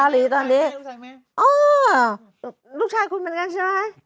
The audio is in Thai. อ้อลูกชายคุณเหมือนกันใช่มั้ย